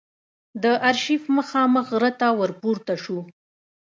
د آرشیف مخامخ غره ته ور پورته شوو.